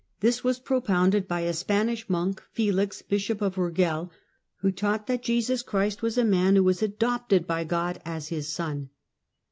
This was propounded by a Spanish monk, Felix, Bishop of Urgel, who taught that Jesus Christ was a man who was adopted by God as His Son.